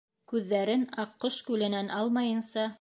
Күҙҙәрен Аҡҡош күленән алмайынса: